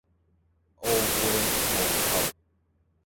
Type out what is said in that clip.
懊悔無及